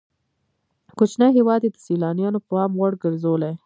کوچنی هېواد یې د سیلانیانو پام وړ ګرځولی.